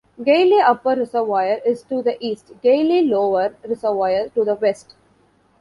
Gailey Upper Reservoir is to the east; Gailey Lower Reservoir to the west.